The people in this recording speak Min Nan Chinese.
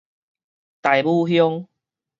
大武鄉